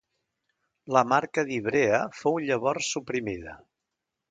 La marca d'Ivrea fou llavors suprimida.